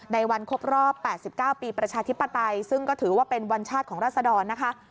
ในวันครบรอบ๘๙ปีประชาธิปไตยซึ่งก็ถือว่าเป็นวันชาติของราศดรนะคะ